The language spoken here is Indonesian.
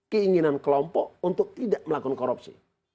keinginan kelompok untuk tidak melakukan korupsi